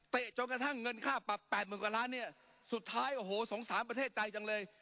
จนกระทั่งเงินค่าปรับแปดหมื่นกว่าล้านเนี่ยสุดท้ายโอ้โหสงสารประเทศใจจังเลย